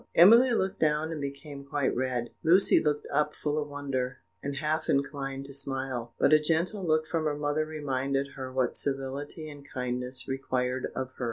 Emily looked down, and became quite red. Lucy looked up full of wonder, and half inclined to smile; but a gentle look from her mother reminded her what civility and kindness required of her.